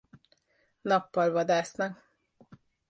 Nappal vadásznak.